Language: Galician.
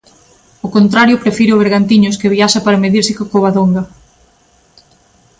O contrario prefire o Bergantiños que viaxa para medirse co Covadonga.